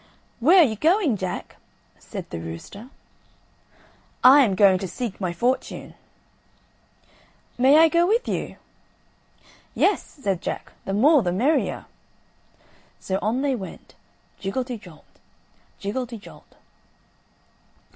"Where are you going, Jack?" said the rooster. "I am going to seek my fortune." "May I go with you?" "Yes," said Jack, "the more the merrier." So on they went, jiggelty jolt, jiggelty jolt.